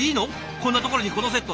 こんなところにこのセット。